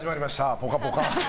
「ぽかぽか」。